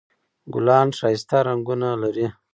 ګلان ښایسته رنګونه لري